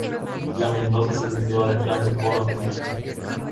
La ventosa se sitúa detrás del poro femenino.